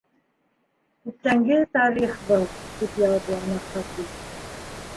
— Күптәнге тарих был, — тип яуапланы Хати.